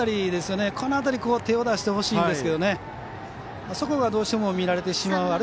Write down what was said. この辺り手を出してほしいんですがそこがどうしても乱れてしまう。